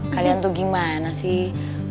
kalian tuh gimana sih